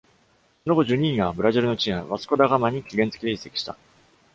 その後、ジュニーニョはブラジルのチーム、ヴァスコ・ダ・ガマに期限付きで移籍した。